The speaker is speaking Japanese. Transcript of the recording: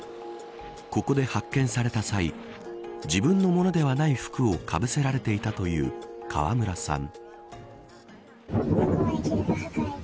ここで発見された際自分のものではない服をかぶせられていたという川村さん。